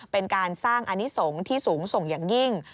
เป็นการสร้างอนิสงฆ์ที่สูงส่งอย่างยิ่ง